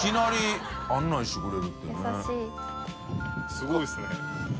すごいですね。